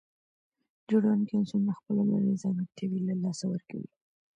جوړونکي عنصرونه خپل لومړني ځانګړتياوي له لاسه ورکوي.